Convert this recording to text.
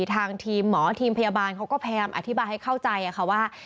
ทางทีมหมอทีมพยาบาลเขาก็พยายามอธิบายให้เข้าใจค่ะว่า